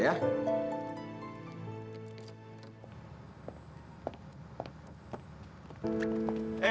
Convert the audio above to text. lo mau ke mana sih